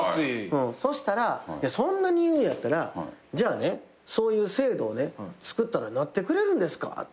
そしたら「そんなに言うんやったらそういう制度をつくったらなってくれるんですか？」って